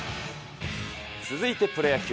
続いてプロ野球。